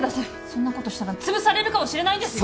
そんなことしたらつぶされるかもしれないんですよ。